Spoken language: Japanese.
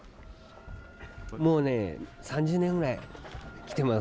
もうね３０年ぐらい来ています。